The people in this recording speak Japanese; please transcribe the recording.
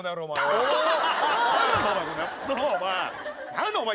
何だお前！